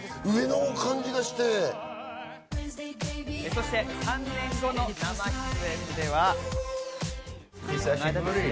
そして３年後の生出演では。